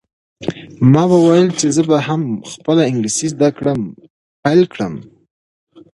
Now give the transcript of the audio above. ما به ویل چې زه به هم خپله انګلیسي زده کړه پیل کړم.